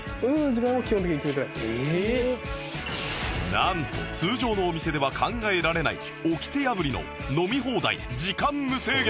なんと通常のお店では考えられない掟破りの飲み放題時間無制限